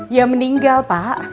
ya meninggal pak